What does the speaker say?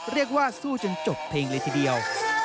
เรียกว่าสู้จนจบเพลงเลยทีเดียว